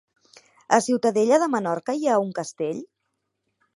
A Ciutadella de Menorca hi ha un castell?